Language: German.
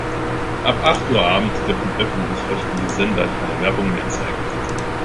Ab acht Uhr abends dürfen öffentlich-rechtliche Sender keine Werbung mehr zeigen.